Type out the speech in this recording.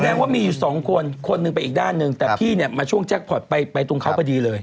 แสดงว่ามีอยู่สองคนคนหนึ่งไปอีกด้านหนึ่งแต่พี่เนี่ยมาช่วงแจ็คพอร์ตไปตรงเขาพอดีเลย